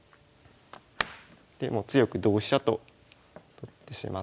で強く同飛車と取ってしまって。